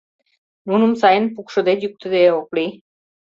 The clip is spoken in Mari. Нуным сайын пукшыде-йӱктыде ок лий.